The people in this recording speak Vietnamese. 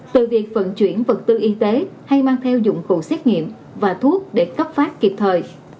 từ việc vận chuyển vật tư y tế hay mang theo dụng cụ xét nghiệm và thuốc để cấp phát kịp thời